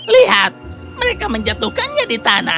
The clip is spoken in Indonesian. lihat mereka menjatuhkannya di tanah